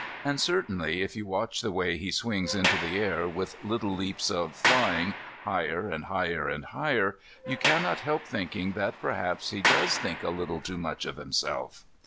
And certainly, if you watch the way he swings into the air, with little leaps of flying, higher and higher and higher, you cannot help thinking that perhaps he does think a little too much of himself.